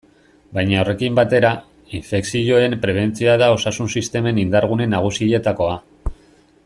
Baina horrekin batera, infekzioen prebentzioa da osasun-sistemen indar-gune nagusietakoa.